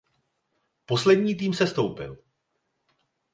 Poslední tým sestoupil.